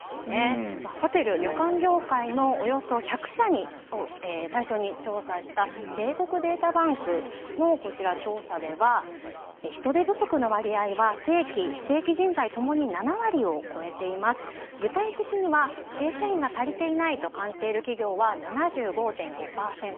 ホテル・旅館業界のおよそ１００社を対象に調査した帝国データバンクの調査では人手不足の割合は正規・非正規人材共に７割を超えていて、具体的には正社員が足りていないと感じている企業は７５．５％